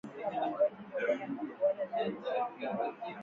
Mfahamishe upesi afisa wa afya ya mifugo kuhusu kisa chochote cha kimeta